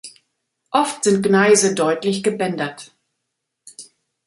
Oft sind Gneise deutlich gebändert.